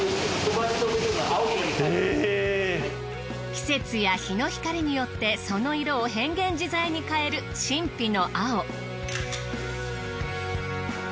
季節や日の光によってその色を変幻自在に変える神秘の青。